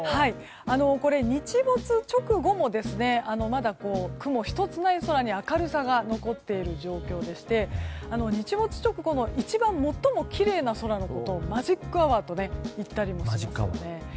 日没直後もまだ雲一つない空に明るさが残っている状況でして日没直後の一番最もきれいな空をマジックアワーと言ったりするんですよね。